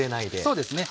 そうですね。